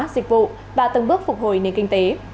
dịch vụ và từng bước phục hồi nền kinh tế